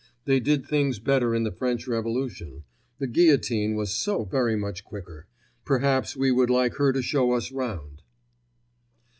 They did things better in the French Revolution; the guillotine was so very much quicker. Perhaps we would like her to show us round.